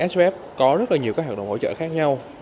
sqf có rất nhiều hợp đồng hỗ trợ khác nhau